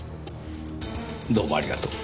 どうもありがとう。